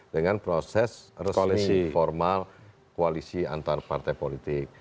dengan proses resmi formal koalisi antar partai politik